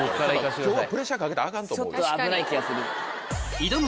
今日プレッシャーかけたらアカンと思う。